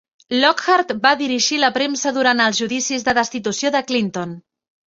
Lockhart va dirigir la premsa durant els judicis de destitució de Clinton.